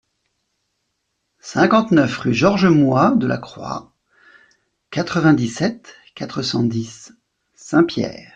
cinquante-neuf rue Georges Moy de la Croix, quatre-vingt-dix-sept, quatre cent dix, Saint-Pierre